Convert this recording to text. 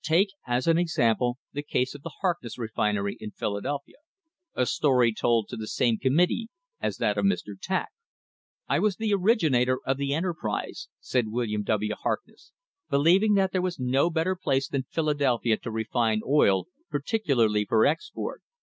Take as an example the case of the Harkness refinery in Philadelphia, a story told to the same committee as that of Mr. Tack: "I was the originator of the enterprise," said William W. Harkness, "believing that there was no better place than Philadelphia to refine oil, particularly for export.